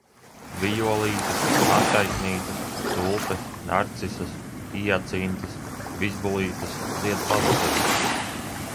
Vijolītes, atraitnītes, tulpes, narcises, hiacintes, vizbulītes zied pavasarī.